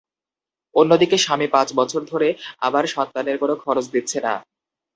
অন্যদিকে স্বামী পাঁচ বছর ধরে আমার সন্তানের কোনো খরচ দিচ্ছে না।